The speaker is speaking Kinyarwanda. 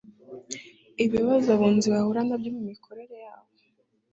Ibibazo abunzi bahura nabyo mu mikorere yabo